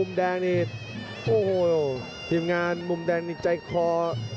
พยายามจะไถ่หน้านี่ครับการต้องเตือนเลยครับ